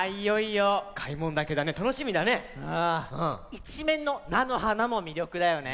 いちめんのなのはなもみりょくだよね。